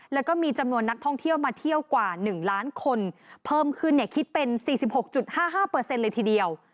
แล้วก็มีจำนวนนักท่องเที่ยวมาเที่ยวกว่าหนึ่งล้านคนเพิ่มขึ้นเนี่ยคิดเป็นสี่สิบหกจุดห้าห้าเปอร์เซ็นต์เลยทีเดียว